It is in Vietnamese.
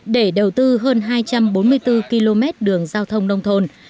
để đầu tư hơn hai trăm bốn mươi bốn km đường giao thông nông thôn